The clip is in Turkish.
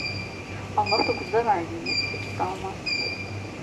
Allah dokuzda verdiğini sekizde almaz.